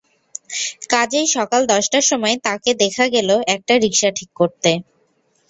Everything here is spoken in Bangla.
কাজেই সকাল দশটার সময় তাঁকে দেখা গেল একটা রিকশা ঠিক করতে।